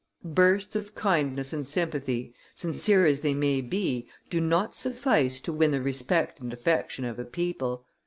458] Bursts of kindness and sympathy, sincere as they may be, do not suffice to win the respect and affection of a people.